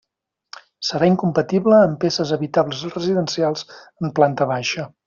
Serà incompatible amb peces habitables residencials en planta baixa.